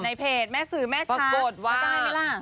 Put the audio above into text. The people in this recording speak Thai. ในเพจแม่สื่อแม่ชัดแม่ต้องให้เมล่า